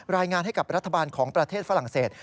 รายงานให้กับรัฐบาลของประเทศฝรั่งเศส